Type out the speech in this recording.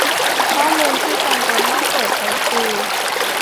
ข้อมูลที่จำเป็นต้องเปิดเผยคือ